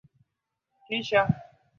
kupitia kampuni yake ya joe cole